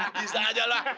bisa aja lah